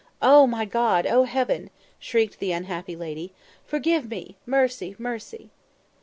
"Oh my God! Oh Heaven!" shrieked the unhappy lady; "forgive me! Mercy! mercy!"